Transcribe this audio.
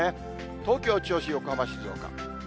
東京、銚子、横浜、静岡。